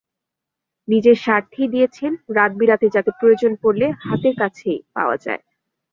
নিজের স্বার্থেই দিয়েছেন, রাত-বিরাতে যাতে প্রয়োজন পড়লে হাতের কাছেই পাওয়া যায়।